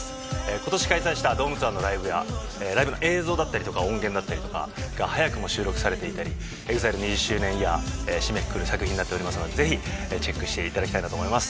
今年開催したドームツアーのライブやライブの映像だったりとか音源だったりとかが早くも収録されていたりＥＸＩＬＥ２０周年イヤーを締めくくる作品になっておりますのでぜひチェックして頂きたいなと思います。